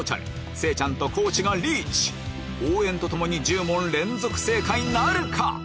聖ちゃんと地がリーチ応援とともに１０問連続正解なるか？